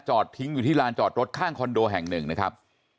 ทิ้งอยู่ที่ลานจอดรถข้างคอนโดแห่งหนึ่งนะครับ